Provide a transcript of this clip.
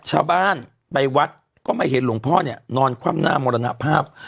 ชาวบ้านไปวัดก็ไม่เห็นหลวงพ่อเนี่ยนอนคว่ำหน้ามรณภาพ